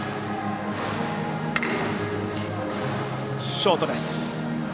ショートです。